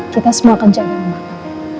kita semua akan jagain oma kamu